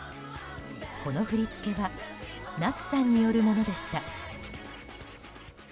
この振り付けは夏さんによるものでした。